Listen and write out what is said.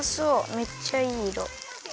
めっちゃいいいろ。